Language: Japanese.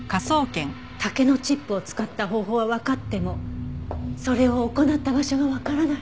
竹のチップを使った方法はわかってもそれを行った場所がわからない。